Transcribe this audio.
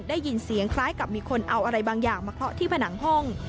ได้ยินเสียงคล้ายกับมีคนเอาอะไรบางอย่างมาเคาะที่ผนังห้อง